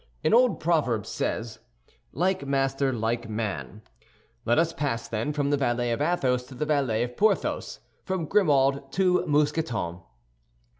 An old proverb says, "Like master, like man." Let us pass, then, from the valet of Athos to the valet of Porthos, from Grimaud to Mousqueton.